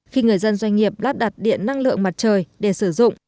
khi người dân doanh nghiệp lắp đặt điện năng lượng mặt trời để sử dụng